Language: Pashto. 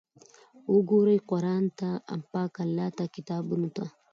وګورئ قرآن ته، پاک الله ته، کتابونو ته!